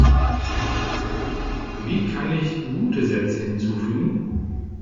Wie kann ich gute Sätze hinzufügen?